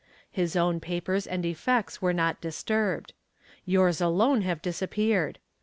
His own papers and effects were not disturbed. Yours alone have disappeared.